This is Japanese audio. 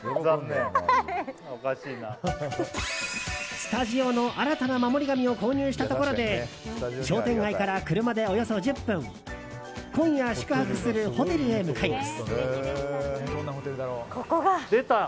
スタジオの新たな守り神を購入したところで商店街から車でおよそ１０分今夜宿泊するホテルへ向かいます。